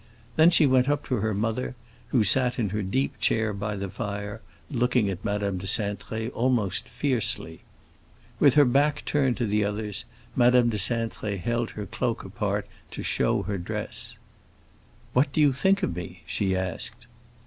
Then she went up to her mother, who sat in her deep chair by the fire, looking at Madame de Cintré almost fiercely. With her back turned to the others, Madame de Cintré held her cloak apart to show her dress. "What do you think of me?" she asked.